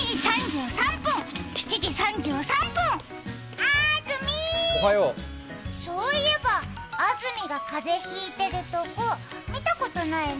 あーずみー、そういえば安住が風邪ひいたとこ見たことないね。